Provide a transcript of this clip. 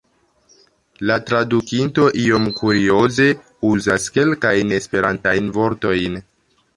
La tradukinto iom kurioze uzas kelkajn esperantajn vortojn.